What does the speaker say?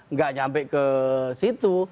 nggak sampai ke situ